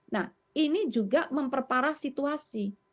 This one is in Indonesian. nah ini juga memperparah situasi